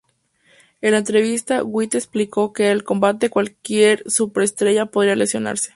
En la entrevista, White explicó que el combate cualquier superestrella podría lesionarse.